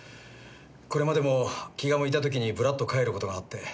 これまでも気が向いた時にぶらっと帰る事があって。